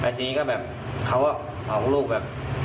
แต่ทีนี้ก็แบบเขาออกลูกแบบ